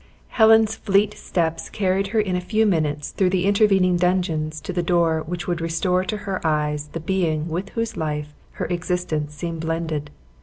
Helen's fleet steps carried her in a few minutes through the intervening dungeons to the door which would restore to her eyes the being with whose life her existence seemed blended.